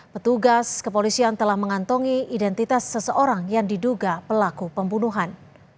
petugas kepolisian telah mengantongi identitas seseorang yang diduga pelaku pembunuhan